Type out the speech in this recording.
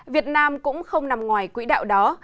việt nam cũng không nằm ngoài quỹ đạo đó